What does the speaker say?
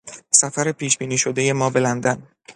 سفر پیش بینی شدهی ما به لندن